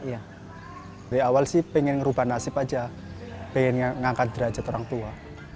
ya dari awal sih pengen ngerubah nasib aja pengen ngangkat derajat orang tua